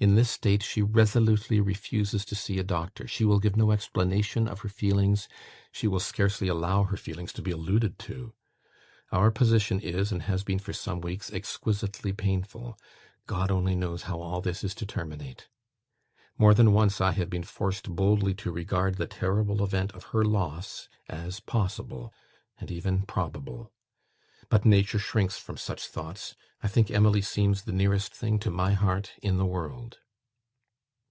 In this state she resolutely refuses to see a doctor; she will give no explanation of her feelings, she will scarcely allow her feelings to be alluded to. Our position is, and has been for some weeks, exquisitely painful. God only knows how all this is to terminate. More than once, I have been forced boldly to regard the terrible event of her loss as possible, and even probable. But nature shrinks from such thoughts. I think Emily seems the nearest thing to my heart in the world."